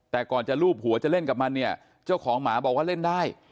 แต่ก่อนจะลูบหัวจะเล่นกับมันเนี่ยเจ้าของหมาบอกว่าเล่นได้